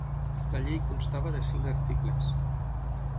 La llei constava de cinc articles.